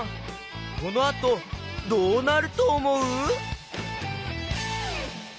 このあとどうなるとおもう？